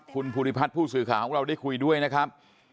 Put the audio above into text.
คุณภูริพัฒน์ผู้สื่อข่าวของเราได้คุยด้วยนะครับ